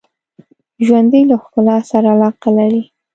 ژوندي له ښکلا سره علاقه لري